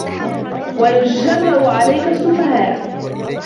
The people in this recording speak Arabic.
وَيُجَرِّئُ عَلَيْك السُّفَهَاءَ